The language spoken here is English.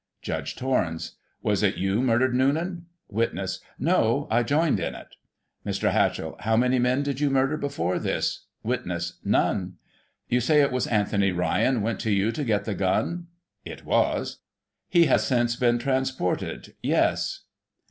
Judge Torrens : Was it you murdered Noonan ? Witness: No. I joined in it. Mr Hatchell : How many men did you murder before this ^ Witness : None. You say it was Anthony Ryan went to you to get the gun ?— It was. He has, since, been transported.^ — Yes.